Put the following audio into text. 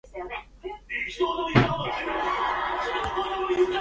The British Orthodox Church comprises parishes and missions throughout the British Isles.